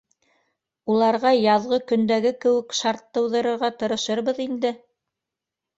Уларға яҙғы көндәге кеүек шарт тыуҙырырға тырышырбыҙ инде